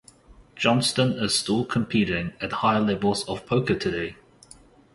Johnston is still competing at high levels of poker today.